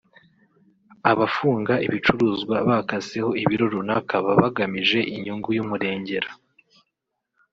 Abafunga ibicuruzwa bakaseho ibiro runaka baba bagamije inyungu y’umurengera